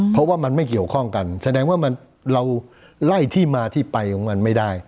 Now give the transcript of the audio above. เพราะว่ามันไม่เกี่ยวข้องกันแสดงว่าเราไล่ที่มาที่ไปของมันไม่ได้